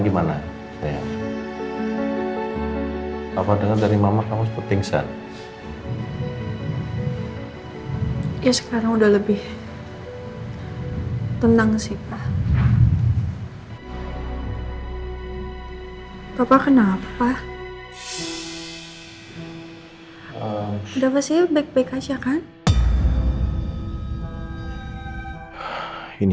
karena papa ngga mau kamu dengerin dari nino